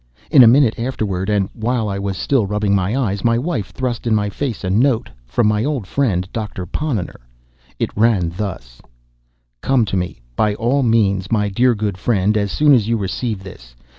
In a minute afterward, and while I was still rubbing my eyes, my wife thrust in my face a note, from my old friend, Doctor Ponnonner. It ran thus: "Come to me, by all means, my dear good friend, as soon as you receive this.